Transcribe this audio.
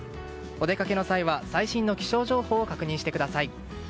お出かけの際は最新の気象情報を確認してください。